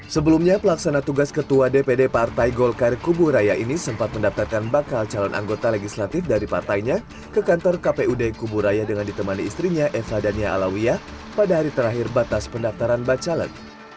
sebelumnya pelaksana tugas ketua dpd partai golkar kuburaya ini sempat mendaftarkan bakal calon anggota legislatif dari partainya ke kantor kpud kuburaya dengan ditemani istrinya eva dania alawiyah pada hari terakhir batas pendaftaran bacalek